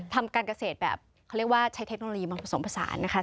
ทำการเกษตรแบบเขาเรียกว่าใช้เทคโนโลยีมาผสมผสานนะคะ